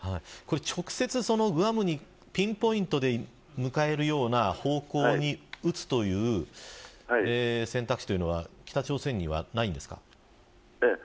直接、グアムにピンポイントに向かうような方向に撃つという選択肢は北朝鮮にはないんですか。